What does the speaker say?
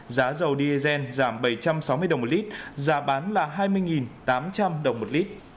giá dầu diesel giảm bảy trăm sáu mươi đồng một lít giá bán là hai mươi tám trăm linh đồng một lít